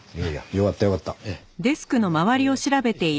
よかったよかった。